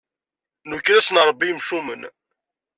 Nwekkel-asen Rebbi i yimcumen.